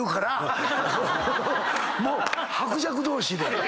もう薄弱同士で。